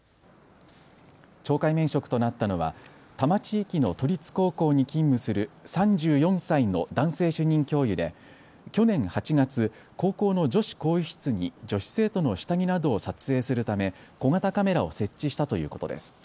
懲戒免職となったのは多摩地域の都立高校に勤務する３４歳の男性主任教諭で去年８月、高校の女子更衣室に女子生徒の下着などを撮影するため小型カメラを設置したということです。